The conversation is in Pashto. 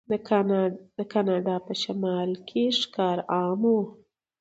د کاناډا په شمال کې ښکار عام و.